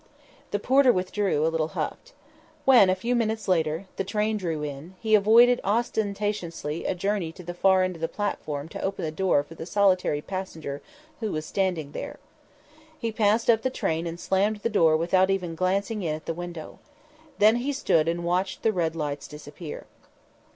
The porter withdrew, a little huffed. When, a few minutes later, the train drew in, he even avoided ostentatiously a journey to the far end of the platform to open the door for the solitary passenger who was standing there. He passed up the train and slammed the door without even glancing in at the window. Then he stood and watched the red lights disappear.